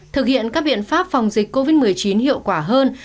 thực hiện các biện pháp phòng dịch covid một mươi chín hiệu quả hơn